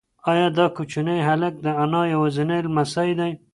ایا دا کوچنی هلک د انا یوازینی لمسی دی؟